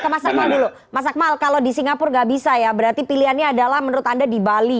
ke mas akmal dulu mas akmal kalau di singapura nggak bisa ya berarti pilihannya adalah menurut anda di bali